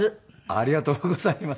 ありがとうございます。